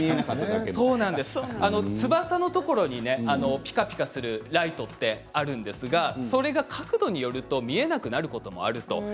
翼のところにピカピカするライトってあるんですがそれは角度によると見えなくなることもあると。